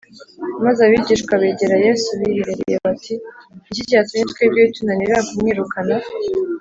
Maze abigishwa begera Yesu biherereye bati “Ni iki cyatumye twebwe bitunanira kumwirukana?”